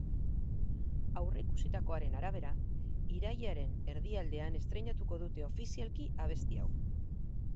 Aurreikusitakoaren arabera, irailaren erdialdean estreinatuko dute ofizialki abesti hau.